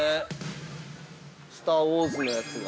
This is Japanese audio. ◆「スター・ウォーズ」のやつが。